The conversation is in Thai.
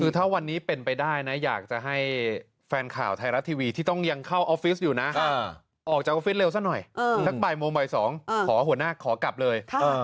คือถ้าวันนี้เป็นไปได้นะอยากจะให้แฟนข่าวไทยรัฐทีวีที่ต้องยังเข้าออฟฟิศอยู่นะออกจากออฟฟิศเร็วซะหน่อยสักบ่ายโมงบ่าย๒ขอหัวหน้าขอกลับเลย